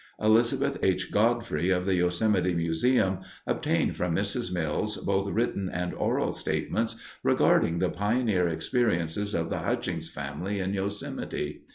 Elizabeth H. Godfrey, of the Yosemite Museum, obtained from Mrs. Mills both written and oral statements regarding the pioneer experiences of the Hutchings family in Yosemite.